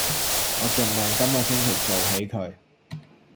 我儘量今個星期做起佢